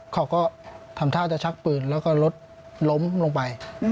เขาก็ทำท่าจะชักปืนแล้วก็รถล้มลงไป